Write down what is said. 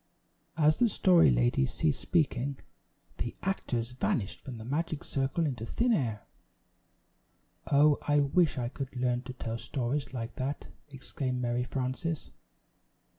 As the Story Lady ceased speaking, the actors vanished from the magic circle into thin air. "Oh, I wish I could learn to tell stories like that!" exclaimed Mary Frances.